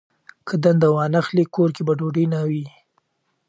که دنده وانخلي، کور کې به ډوډۍ نه وي.